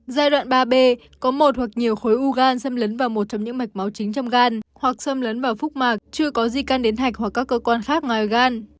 giai đoạn ba b có một hoặc nhiều khối u gan xâm lấn vào một trong những mạch máu chính trong gan hoặc xâm lấn vào phúc mạc chưa có di căn đến thạch hoặc các cơ quan khác ngoài gan